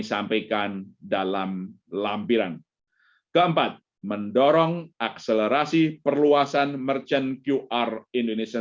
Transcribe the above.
sampaikan dalam lampiran keempat mendorong akselerasi perluasan merchant qr indonesia